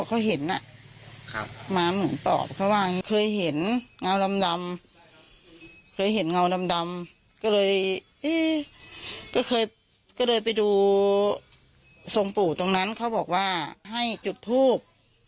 ก็เคยก็เลยไปดูทรงปู่ตรงนั้นเขาบอกว่าให้จุดทูบ